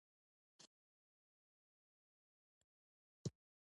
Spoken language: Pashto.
🍋 لېمو